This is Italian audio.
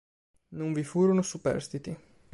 Non vi furono superstiti.